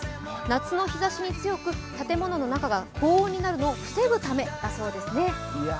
夏の日ざしに強く、建物の中が高温になるのを防ぐためだそうですね。